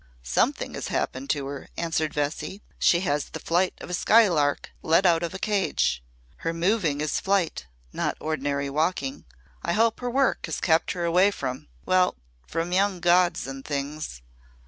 "Something has happened to her," answered Vesey. "She has the flight of a skylark let out of a cage. Her moving is flight not ordinary walking. I hope her work has kept her away from well, from young gods and things."